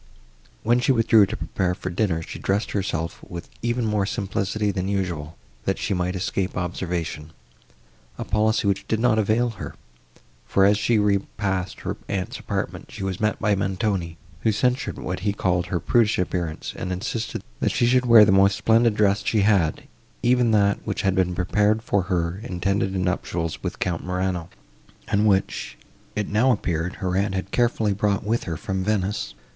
When she withdrew to prepare for dinner, she dressed herself with even more simplicity than usual, that she might escape observation—a policy, which did not avail her, for, as she repassed to her aunt's apartment, she was met by Montoni, who censured what he called her prudish appearance, and insisted, that she should wear the most splendid dress she had, even that, which had been prepared for her intended nuptials with Count Morano, and which, it now appeared, her aunt had carefully brought with her from Venice.